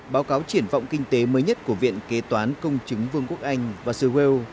báo cáo triển vọng kinh tế mới nhất của viện kế toán công chứng vương quốc anh và seo